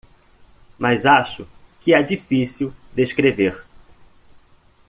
Mas acho que é difícil descrever